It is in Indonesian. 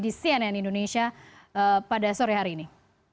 di cnn indonesia pada sore hari ini